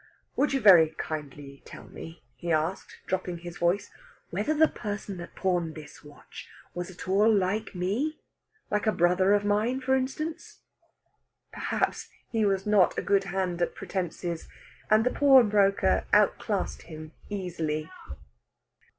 "Would you very kindly tell me," he asked, dropping his voice, "whether the person that pawned this watch was at all like me like a brother of mine, for instance?" Perhaps he was not a good hand at pretences, and the pawnbroker outclassed him easily.